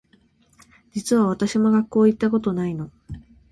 実は私も学校行ったことないの